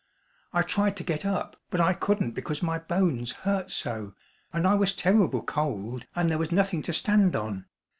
I tried to get up but I couldn't because my bones hurt so and I was terrible cold and there was nothing to stand on.